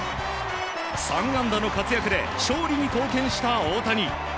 ３安打の活躍で勝利に貢献した大谷。